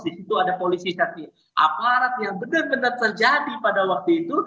disitu ada politisasi aparat yang benar benar terjadi pada waktu itu